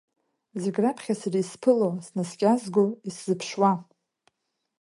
Зегь раԥхьа сара исԥыло, снаскьазго, исзыԥшуа.